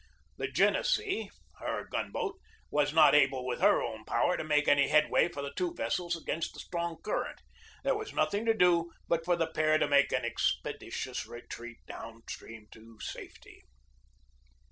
The Genesee, her gun boat, was not able with her own power to make any headway for the two vessels against the strong current. There 90 GEORGE DEWEY was nothing to do but for the pair to make an expe ditious retreat downstream to safety.